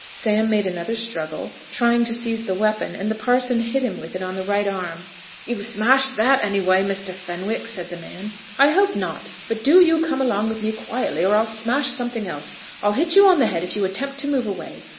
Sam made another struggle, trying to seize the weapon, and the parson hit him with it on the right arm. "You've smashed that anyway, Mr. Fenwick," said the man. "I hope not; but do you come along with me quietly, or I'll smash something else. I'll hit you on the head if you attempt to move away.